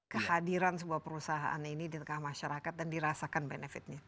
kehadiran sebuah perusahaan ini di tengah masyarakat dan dirasakan benefitnya